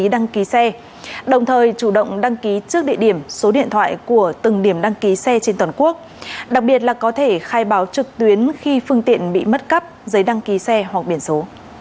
bảo có thể khai báo trực tuyến khi phương tiện bị mất cắp giấy đăng ký xe hoặc biển số